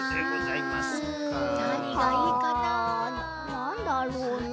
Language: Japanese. なんだろうな？